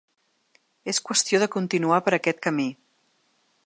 És qüestió de continuar per aquest camí.